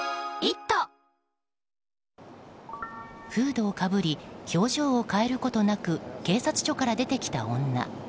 フードをかぶり表情を変えることなく警察署から出てきた女。